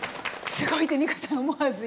「すごい」ってミカさん思わず今。